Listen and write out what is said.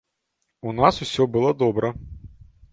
У нас усё было добра.